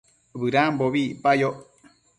bëdambobi icpayoc